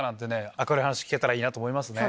明るい話聞けたらいいなと思いますね。